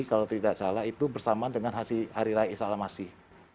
kalau tidak salah itu bersamaan dengan hari raya isalamasi